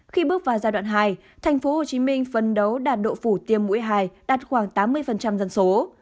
khi bước vào giai đoạn hai tp hcm phân đấu đạt độ phủ tiêm mũi hai đạt khoảng tám mươi dân số